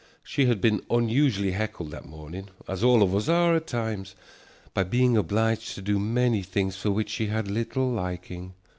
She had been unusually heckled that morning, as all of us are at times, by being obliged to do many things for the which she had little liking.